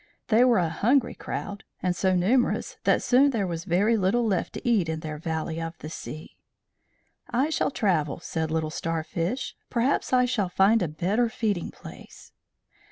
They were a hungry crowd, and so numerous that soon there was very little left to eat in their valley of the sea. "I shall travel," said Little Starfish. "Perhaps I shall find a better feeding place."